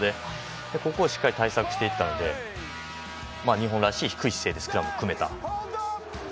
そこを対策していったので日本らしい低い姿勢でスクラムを組めました。